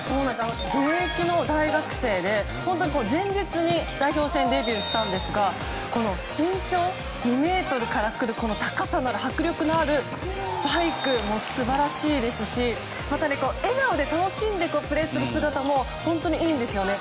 現役の大学生で前日に代表戦デビューしたんですが身長２ｍからくる高さのある迫力のあるスパイクが素晴らしいですし笑顔で楽しんでプレーする姿も本当にいいんですね。